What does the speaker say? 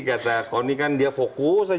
kata kon ini kan dia fokus aja nih ke soal ini